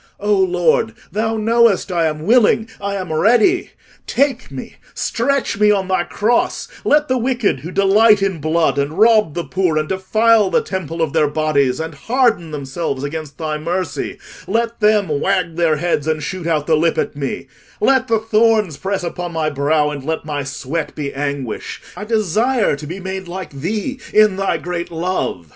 O Lord, thou knowest I am willing—I am ready. Take me, stretch me on thy cross: let the wicked who delight in blood, and rob the poor, and defile the temple of their bodies, and harden themselves against thy mercy—let them wag their heads and shoot out the lip at me: let the thorns press upon my brow, and let my sweat be anguish—I desire to be made like thee in thy great love.